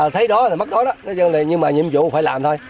thấy đó là mất đó đó nói chung là nhiệm vụ phải làm thôi